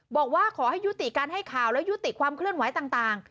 บอกว่าขอให้ยุติการให้ข่าวและยุติความเคลื่อนไหวต่าง